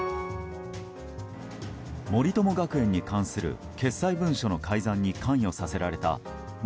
森友学園に関する決裁文書の改ざんに関与させられた元